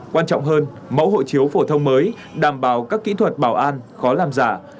quan trọng hơn mẫu hộ chiếu phổ thông mới đảm bảo các kỹ thuật bảo an khó làm giả